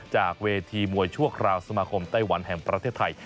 จากเวทีมวยชั่วคราวสมาคมไต้หวันแห่งประเทศไทย